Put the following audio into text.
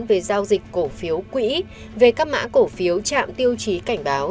về giao dịch cổ phiếu quỹ về các mã cổ phiếu trạm tiêu chí cảnh báo